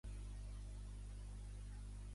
el clixé de premsa qualifica de rabiosa